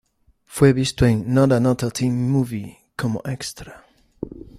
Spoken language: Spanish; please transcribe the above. Fue visto en Not Another Teen Movie como extra.